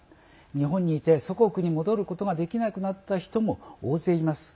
日本にいて、祖国に戻ることができなくなった人も大勢います。